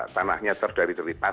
tanahnya terdari terlipasi